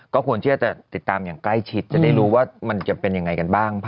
ก็ควรที่จะติดตามอย่างใกล้ชิดจะได้รู้ว่ามันจะเป็นยังไงกันบ้าง